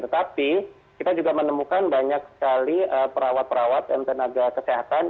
tetapi kita juga menemukan banyak sekali perawat perawat dan tenaga kesehatan